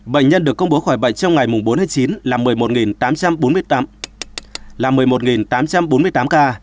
bệnh nhân được công bố khỏi bệnh trong ngày bốn chín là một mươi một tám trăm bốn mươi tám ca